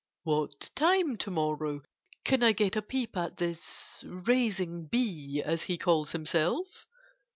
"What time to morrow can I get a peep at this 'raising bee,' as he calls himself?"